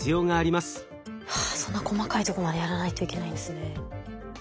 はあそんな細かいとこまでやらないといけないんですね。